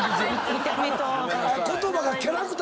見た目と。